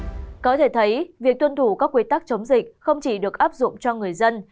có thể thấy việc tuân thủ các quy tắc chống dịch không chỉ được áp dụng cho người dân